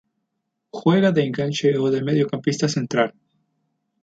Juega de enganche o de medio campista central.